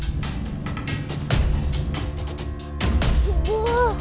kayak suara anak kecil manggil ibu